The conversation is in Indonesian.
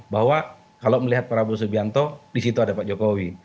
bahwa kalau melihat prabowo subianto di situ ada pak jokowi